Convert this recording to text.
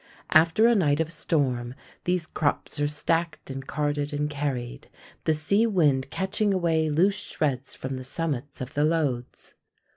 After a night of storm these crops are stacked and carted and carried, the sea wind catching away loose shreds from the summits of the loads.